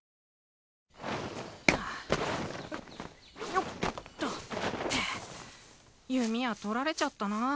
よっと弓矢取られちゃったなあ